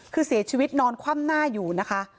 คือเสียชีวิตนอนคว่ำหน้าอยู่นะคะ